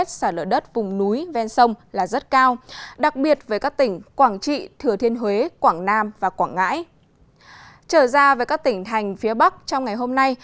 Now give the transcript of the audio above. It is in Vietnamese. trở ra với các tỉnh thành phía bắc trong ngày hôm nay